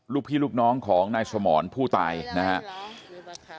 ลูกพี่ลูกน้องของนายสมรผู้ตายนะครับ